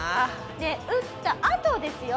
で打ったあとですよ？